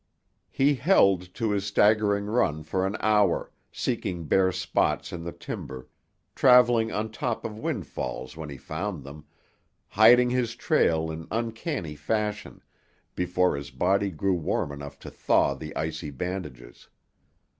He held to his staggering run for an hour, seeking bare spots in the timber, travelling on top of windfalls when he found them, hiding his trail in uncanny fashion, before his body grew warm enough to thaw the icy bandages.